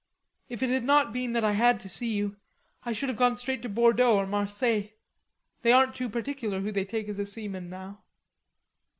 If it had not been that I had to see you, I should have gone straight to Bordeaux or Marseilles. They aren't too particular who they take as a seaman now."